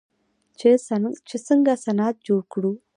چې څنګه صنعت جوړ کړو.